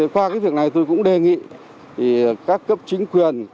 qua cái việc này tôi cũng đề nghị các cấp chính quyền